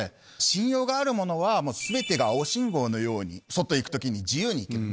信用がある者は全てが青信号のように外行く時に自由に行ける。